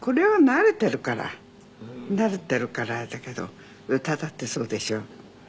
慣れているからあれだけど歌だってそうでしょ。